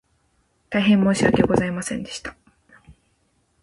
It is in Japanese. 大変申し訳ございませんでした